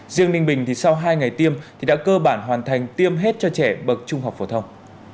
riêng ninh bình thì sau hai ngày tiêm thì đã cơ bản hoàn thành tiêm hết cho trẻ bậc trung học phổ thông